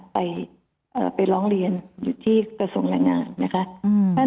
ไปเอ่อไปร้องเรียนอยู่ที่กระทรวงแรงงานนะคะอืม